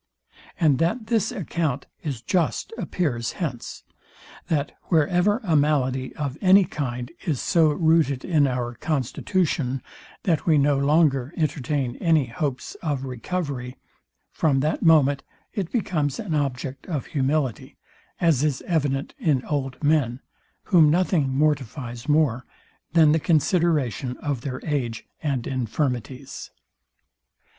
And that this account is just appears hence, that wherever a malady of any kind is so rooted in our constitution, that we no longer entertain any hopes of recovery, from that moment it becomes an object of humility; as is evident in old men, whom nothing mortifies more than the consideration of their age and infirmities.